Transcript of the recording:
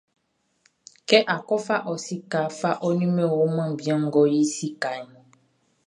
Kɛ á kɔ́ fa ɔ sikaʼn, fa ɔ nimeroʼn man bian ngʼɔ yi sikaʼn.